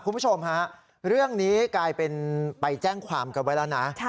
คุณผู้ชมฮะเรื่องนี้กลายเป็นไปแจ้งความกันไว้แล้วนะ